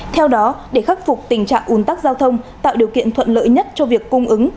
theo đó để khắc phục tình trạng ủn tắc giao thông tạo điều kiện thuận lợi nhất cho việc cung ứng